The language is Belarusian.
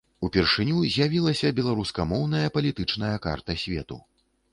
Упершыню з'явілася беларускамоўная палітычная карта свету.